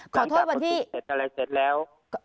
ขอโทษวันที่เสร็จอะไรเสร็จแล้ว